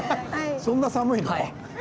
そんなに寒いの？